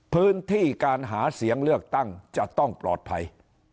พื้นที่การหาเสียงเลือกตั้งจะต้องปลอดภัย